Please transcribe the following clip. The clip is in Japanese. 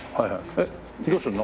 えっどうするの？